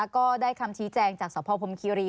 ก็ได้คำชี้แจงจากสพพรมคีรี